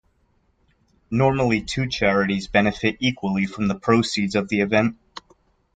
Normally two charities benefit equally from the proceeds of the event.